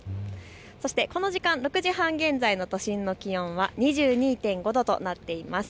そしてこの時間、６時半現在の都心の気温は２２．５度となっています。